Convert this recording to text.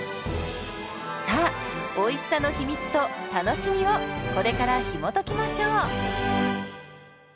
さあおいしさの秘密と楽しみをこれからひもときましょう。